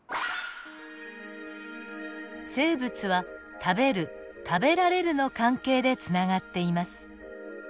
生物は食べる食べられるの関係でつながっています。